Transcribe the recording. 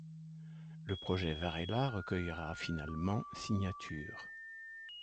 Le projet Varela recueillera finalement signatures.